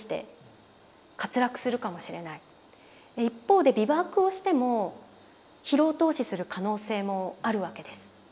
一方でビバークをしても疲労凍死する可能性もあるわけです。